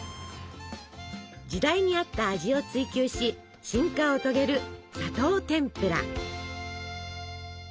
時代に合った味を追求し進化を遂げる砂糖てんぷら。